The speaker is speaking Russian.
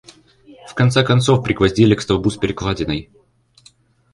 В конце концов пригвоздили к столбу с перекладиной.